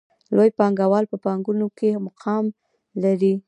لوی پانګوال په بانکونو کې هم مقام لري